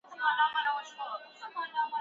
ښه ذهنیت شخړه نه خپروي.